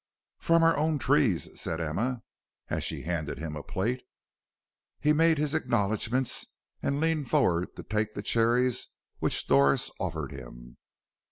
"From our own trees," said Emma, as she handed him a plate. He made his acknowledgments, and leaned forward to take the cherries which Doris offered him.